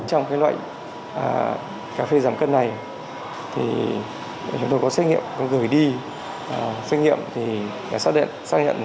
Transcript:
trong cái loại cà phê giảm cân này thì chúng tôi có xét nghiệm có gửi đi xét nghiệm thì đã xác nhận là trong đấy có cái thành phần là sibu charmin